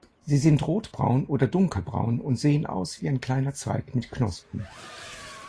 Sie sind rotbraun oder dunkelbraun und sehen aus wie ein kleiner Zweig mit Knospen.